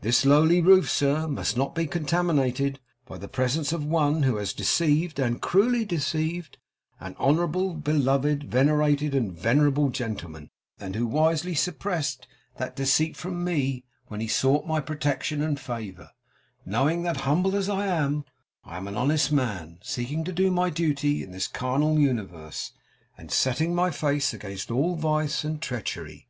This lowly roof, sir, must not be contaminated by the presence of one who has deceived, and cruelly deceived, an honourable, beloved, venerated, and venerable gentleman; and who wisely suppressed that deceit from me when he sought my protection and favour, knowing that, humble as I am, I am an honest man, seeking to do my duty in this carnal universe, and setting my face against all vice and treachery.